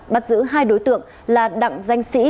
bắt giữ hai đối tượng là đặng danh sĩ